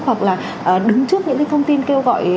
hoặc là đứng trước những thông tin kêu gọi